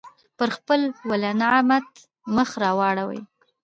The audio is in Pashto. پر خپل ولینعمت مخ را اړوي.